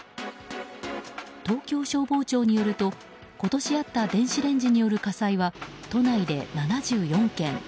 東京消防庁によると、今年あった電子レンジによる火災は都内で７４件。